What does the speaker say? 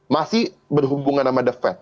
masih berhubungan sama the fed